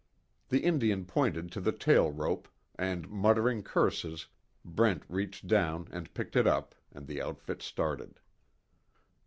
The Indian pointed to the tail rope, and muttering curses, Brent reached down and picked it up, and the outfit started.